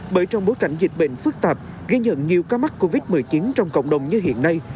bởi trong bối cảnh dịch bệnh phức tạp ghi nhận nhiều ca mắc covid một mươi chín trong cộng đồng như hiện nay